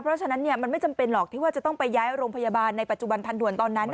เพราะฉะนั้นมันไม่จำเป็นหรอกที่ว่าจะต้องไปย้ายโรงพยาบาลในปัจจุบันทันด่วนตอนนั้น